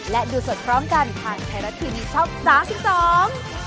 และดูสดพร้อมกันทางแทรฟ์รัดทีวีช่อง๓๒